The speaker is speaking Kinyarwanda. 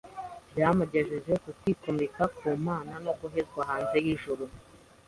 byamugejeje ku kwigomeka ku Mana no guhezwa hanze y’ijuru.